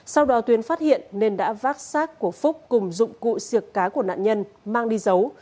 sau đó tuyến phát hiện nên đã vác sát của phúc cùng dụng cụ siệc cá của nạn nhân mang đi giấu